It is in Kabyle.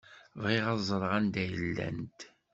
Bɣiɣ ad ẓṛeɣ anda i llant.